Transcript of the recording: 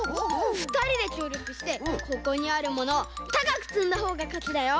ふたりできょうりょくしてここにあるものをたかくつんだほうがかちだよ。